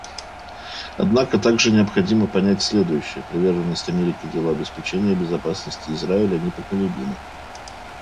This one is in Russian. Однако также необходимо понять следующее: приверженность Америки делу обеспечения безопасности Израиля непоколебима.